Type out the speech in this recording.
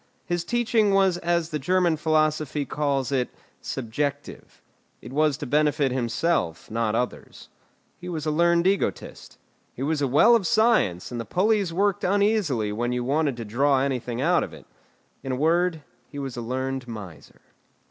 His teaching was as the German philosophy calls it, 'subjective'; it was to benefit himself, not others. He was a learned egotist. He was a well of science, and the pulleys worked uneasily when you wanted to draw anything out of it. In a word, he was a learned miser.